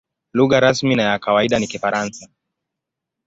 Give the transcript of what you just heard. Lugha rasmi na ya kawaida ni Kifaransa.